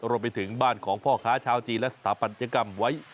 รวมไปถึงบ้านของพ่อค้าชาวจีนและสถาปัตยกรรมไว้